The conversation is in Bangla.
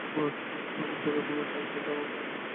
আবার ঘরের কোণে ঠাঁই পেতে পারে মাটির রঙিন কলসি, ফুলদানি ইত্যাদি।